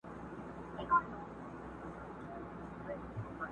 زاهده پرې مي ږده ځواني ده چي دنیا ووینم!!